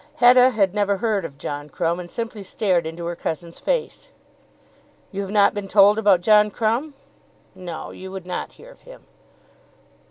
Hetta had never heard of John Crumb, and simply stared into her cousin's face. "You have not been told about John Crumb? No; you would not hear of him."